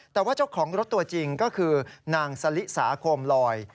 แต่ว่าเจ้าของรถตัวจริงก็คือนางสลิสาโคมลอย